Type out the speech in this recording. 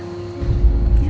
aku mau ke sana